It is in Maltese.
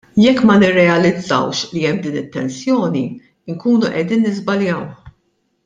Jekk ma nirrealizzawx li hemm din it-tensjoni, inkunu qegħdin niżbaljaw.